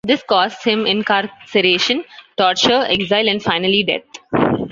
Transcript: This cost him incarceration, torture, exile and finally death.